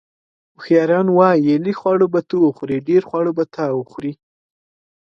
اوښیاران وایي: لږ خواړه به ته وخورې، ډېر خواړه به تا وخوري.